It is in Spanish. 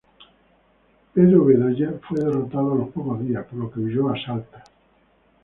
Pero Bedoya fue derrotado a los pocos días, por lo que huyó a Salta.